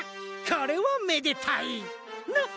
「これはめでたい！の？」